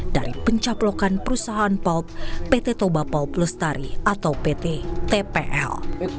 dari pencaplokan perusahaan pulp pt toba pulp lustari atau pt tpl